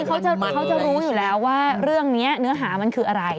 เขาจะรู้อยู่แล้วว่าเรื่องนี้เนื้อหามันคืออะไร